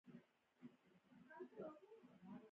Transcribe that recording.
ازادي راډیو د د ښځو حقونه ستر اهميت تشریح کړی.